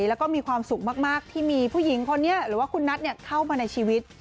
แล้วก็มีความสุขมากที่มีผู้หญิงคนนี้หรือว่าคุณนัทเข้ามาในชีวิต